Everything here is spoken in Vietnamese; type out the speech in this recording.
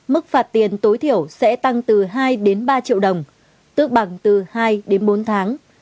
mức phạt tiền tối thiểu sẽ tăng từ hai ba triệu đồng tước bằng từ hai bốn tháng